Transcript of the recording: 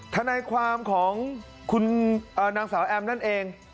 ทนายความของคุณนางสาวแอมนั่นเอง